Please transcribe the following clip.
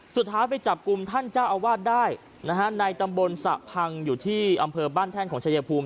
สุดท้ายไปจับกลุ่มท่านเจ้าอาวาสได้นะฮะในตำบลสะพังอยู่ที่อำเภอบ้านแท่นของชายภูมิ